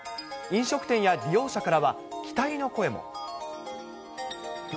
飲食店や利用者からは、期待の声も。